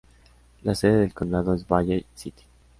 La sede del condado es Valley City.